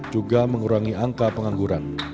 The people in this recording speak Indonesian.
juga mengurangi angka pengangguran